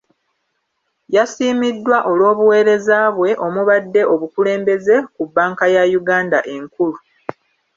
Yasiimiddwa olw’obuweereza bwe omubadde obukulembeze ku bbanka ya Uganda enkulu.